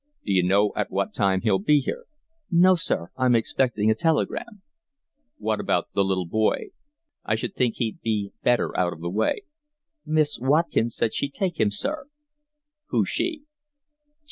"D'you know at what time he'll be here?" "No, sir, I'm expecting a telegram." "What about the little boy? I should think he'd be better out of the way." "Miss Watkin said she'd take him, sir." "Who's she?"